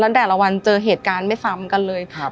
แล้วแต่ละวันเจอเหตุการณ์ไม่ซ้ำกันเลย